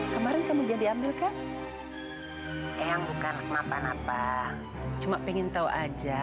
kemarin kamu jadi ambilkan yang bukan kenapa napa cuma pengen tahu aja